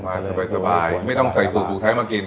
สบายไม่ต้องใส่สูตรผูกไทยมากิน